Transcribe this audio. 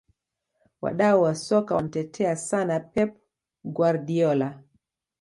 wadau wa soka wanamtetea sana pep guardiola